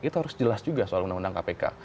itu harus jelas juga soal undang undang kpk